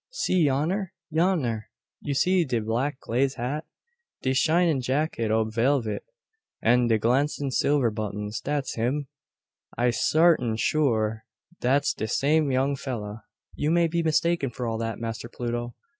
See yonner yonner! You see de black glaze hat, de shinin' jacket ob velvet, an de glancin' silver buttons dat's him. I sartin sure dat's de same young fella." "You may be mistaken for all that, Master Pluto.